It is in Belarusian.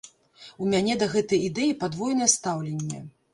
У мяне да гэтай ідэі падвойнае стаўленне.